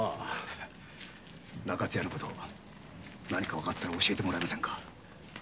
中津屋の事何かわかったら教えてもらえませんか。